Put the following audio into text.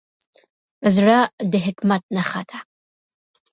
زړه د حکمت نښه ده.